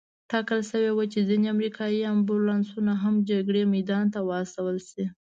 ټاکل شوې وه چې ځینې امریکایي امبولانسونه هم جګړې میدان ته واستول شي.